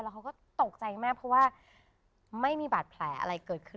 เขาก็ตกใจมากเพราะว่าไม่มีบาดแผลอะไรเกิดขึ้น